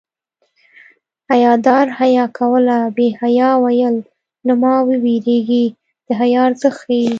حیادار حیا کوله بې حیا ویل له ما وېرېږي د حیا ارزښت ښيي